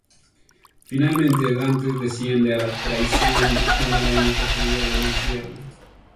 Finalmente Dante desciende a la Traición buscando la única salida del Infierno.